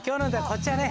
こちらね。